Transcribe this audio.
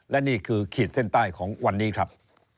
และนี่คือขีดเส้นใต้ของวันนี้ครับ